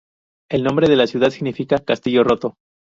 El nombre de la ciudad significa "castillo roto".